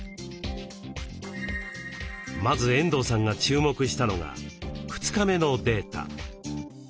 まず遠藤さんが注目したのが２日目のデータ。